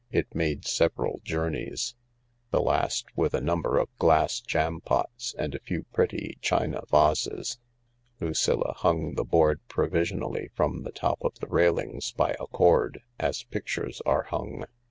It made several journeys the last with a number of glass jampots and a few pretty china vases. Lucilla hung the board provisionally from the top of the railings by a cord, as pictures are hung.